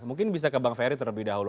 mungkin bisa ke bang ferry terlebih dahulu